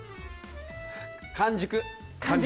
完熟。